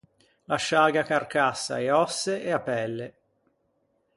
Lasciâghe a carcassa, e òsse e a pelle.